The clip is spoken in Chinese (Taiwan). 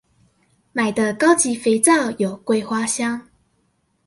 買的高級肥皂有桂花香